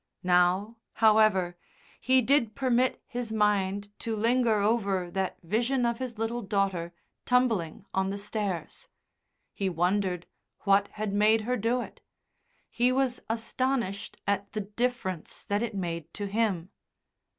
Now, however, he did permit his mind to linger over that vision of his little daughter tumbling on the stairs. He wondered what had made her do it. He was astonished at the difference that it made to him.